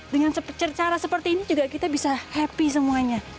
dengan cara seperti ini juga kita bisa happy semuanya